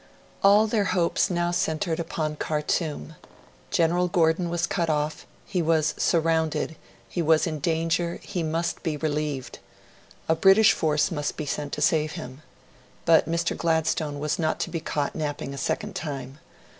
All their hopes now centred upon Khartoum. General Gordon was cut off; he was surrounded, he was in danger; he must be relieved. A British force must be sent to save him. But Mr. Gladstone was not to be caught napping a second time.